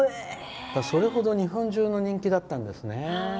それほど日本中の人気だったんですね。